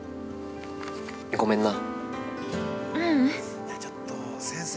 ごめんな。